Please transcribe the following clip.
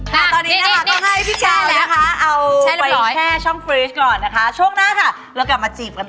ตอนนี้นะคะก็ให้พี่แช่แล้วนะคะแช่เรียบร้อยเอาไปแช่ช่องฟรีชก่อนนะคะช่วงหน้าค่ะเรากลับมาจีบกันต่อ